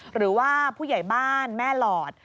หรือว่าผู้ใหญ่บ้านแม่หลอด